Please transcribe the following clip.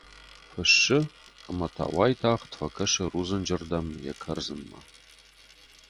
Фыссы ӕмӕ та уайтагъд фӕкӕсы рудзынджы ’рдӕм — йӕ кӕрдзынмӕ.